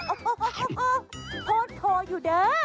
โอ๊ะโธ่อยู่เด้อ